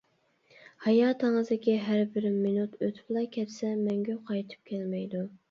ھاياتىڭىزدىكى ھەربىر مىنۇت ئۆتۈپلا كەتسە مەڭگۈ قايتىپ كەلمەيدۇ.